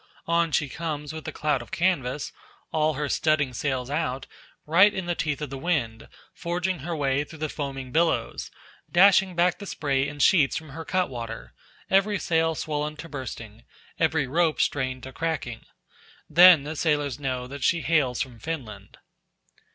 On she comes with a cloud of canvas all her studding sails out right in the teeth of the wind, forging her way through the foaming billows, dashing back the spray in sheets from her cutwater, every sail swollen to bursting, every rope strained to cracking. Then the sailors know that she hails from Finland.